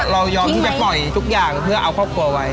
เรายอมที่จะปล่อยทุกอย่างเพื่อเอาครอบครัวไว้